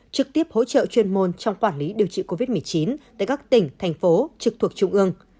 trực tiếp hỗ trợ chuyên môn trong quản lý điều trị covid một mươi chín tại các tỉnh thành phố trực thuộc trung ương